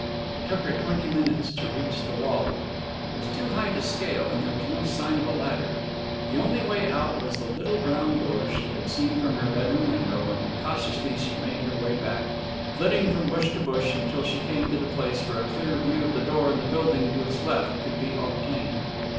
It took her twenty minutes to reach the wall. It was too high to scale and there was no sign of a ladder. The only way out was the little brown door she had seen from her bedroom window, and cautiously she made her way back, flitting from bush to bush until she came to the place where a clear view of the door and the building to its left could be obtained.